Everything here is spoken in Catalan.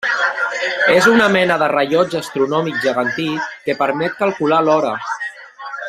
És una mena de rellotge astronòmic gegantí que permet calcular l'hora.